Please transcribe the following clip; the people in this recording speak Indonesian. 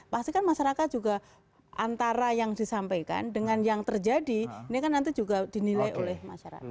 pasti kan masyarakat juga antara yang disampaikan dengan yang terjadi ini kan nanti juga dinilai oleh masyarakat